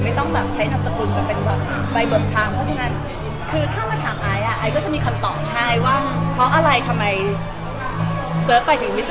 ไม่ต้องแบบใช้นามสกุลมาเป็นแบบไปเบิกทางเพราะฉะนั้นคือถ้ามาถามไอซ์อ่ะไอก็จะมีคำตอบให้ว่าเพราะอะไรทำไมเฟิร์กไปถึงไม่เจอ